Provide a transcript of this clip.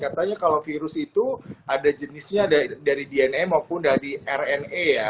katanya kalau virus itu ada jenisnya dari dna maupun dari rna ya